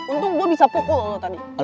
untung gua bisa pukul lu tadi